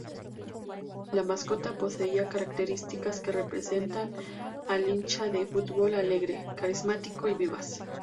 La mascota poseía características que representan al hincha del fútbol alegre, carismático y vivaz.